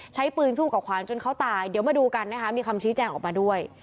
ใช้ปืนสู้กับขวานจนเขาตายเดี๋ยวมาดูกันนะคะมีคำชี้แจงออกมาด้วย